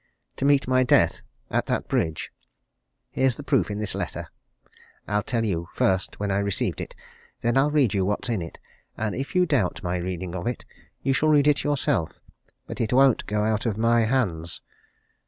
to meet my death at that bridge. Here's the proof in this letter! I'll tell you, first, when I received it: then I'll read you what's in it, and if you doubt my reading of it, you shall read it yourself but it won't go out of my hands!